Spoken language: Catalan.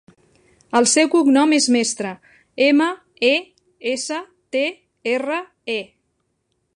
El seu cognom és Mestre: ema, e, essa, te, erra, e.